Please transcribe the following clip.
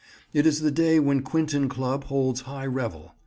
It is the day when Quinton Club holds high revel.